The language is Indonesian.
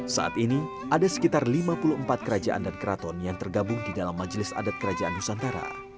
saat ini ada sekitar lima puluh empat kerajaan dan keraton yang tergabung di dalam majelis adat kerajaan nusantara